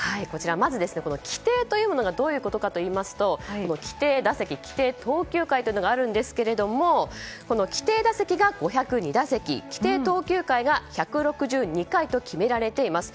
まず、規定というものがどういうものかというと規定打席と規定投球回というのがあるんですが規定打席が５０２打席規定投球回が１６２回と決められています。